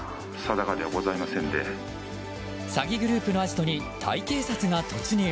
詐欺グループのアジトにタイ警察が突入。